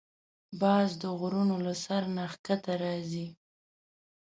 باز د غرونو له سر نه ښکته راځي